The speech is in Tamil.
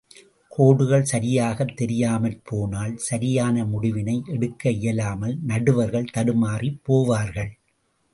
கோடுகள் சரியாகத் தெரியாமற் போனால், சரியான முடிவினை எடுக்க இயலாமல், நடுவர்கள் தடுமாறிப் போவார்கள்.